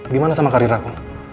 gimana sama karir aku